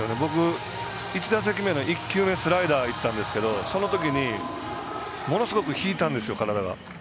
１打席目の１球目スライダーいったんですがそのときに、ものすごく引いたんですよ、体が。